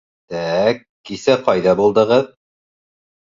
— Тәк, кисә ҡайҙа булдығыҙ?